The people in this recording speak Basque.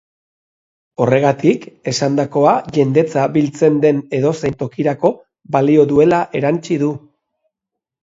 Horregatik, esandakoa jendetza biltzen den edozein tokirako balio duela erantsi du.